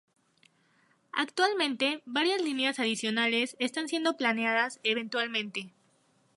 Actualmente, varias líneas adicionales están siendo planeadas eventualmente..